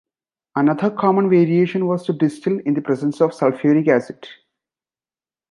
Another common variation was to distill in the presence of sulphuric acid.